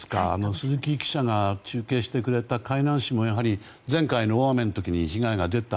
鈴木記者が中継してくれた海南市もやはり前回の大雨で被害が出た。